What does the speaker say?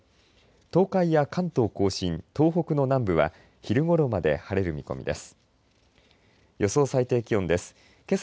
東海や関東甲信東北の南部は、昼ごろまで晴れる見込みです。